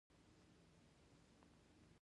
د وچ ټوخي لپاره باید څه شی وکاروم؟